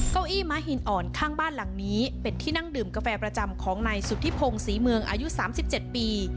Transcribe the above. เก้าอี้ม้าหินอ่อนข้างบ้านหลังนี้เป็นที่นั่งดื่มกาแฟประจำของนายสุธิพงศรีเมืองอายุ๓๗ปี